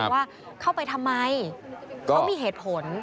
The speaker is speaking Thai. ว่าเข้าไปทำไมเขามีเหตุผล